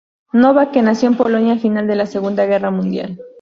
Novak que nació en Polonia al final de la Segunda Guerra Mundial.